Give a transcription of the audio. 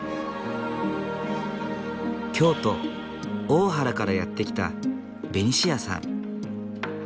京都・大原からやって来たベニシアさん。